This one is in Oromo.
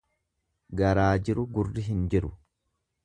Garaa jiru garri hin jiru.